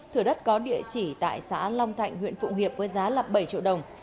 thửa đất có địa chỉ tại xã long thạnh huyện phụng hiệp với giá bảy triệu đồng